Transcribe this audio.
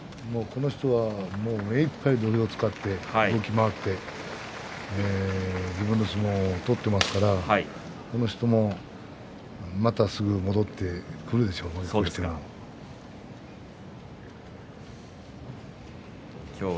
この人はもう目いっぱい土俵を使って動き回って自分の相撲を取ってますからまた、すぐ戻ってくるでしょう。